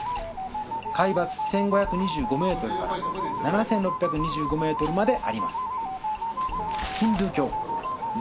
海抜１５２５メートルから７６２５メートルまであります。